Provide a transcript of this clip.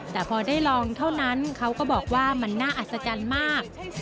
แต่พอได้ลองเท่านั้นเขาก็บอกว่ามันน่าอัศจรรย์มาก